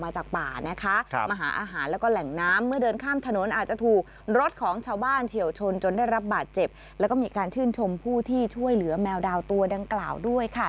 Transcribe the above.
จะเป็นแมวดาวตัวดังกล่าวด้วยค่ะ